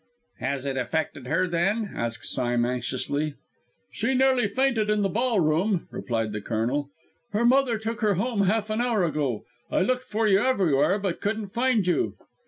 "Has it affected her, then?" asked Sime anxiously. "She nearly fainted in the ball room," replied the Colonel. "Her mother took her home half an hour ago. I looked for you everywhere, but couldn't find you."